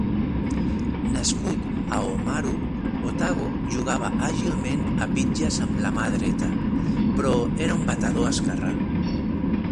Nascut a Oamaru, Otago, jugava àgilment a bitlles amb la mà dreta, però era un batedor esquerrà.